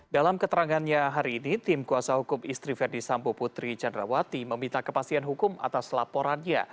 dalam keterangannya hari ini tim kuasa hukum istri verdi sambo putri candrawati meminta kepastian hukum atas laporannya